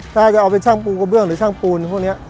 ถ้าจะเอาเป็นช่างปูกระเบื้องหรือช่างปูนพวกนี้